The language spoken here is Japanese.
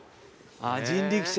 あっ人力車。